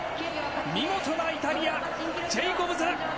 見事なイタリア、ジェイコブズ。